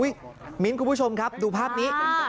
อุ๊ยมีนท์คุณผู้ชมครับดูภาพนี้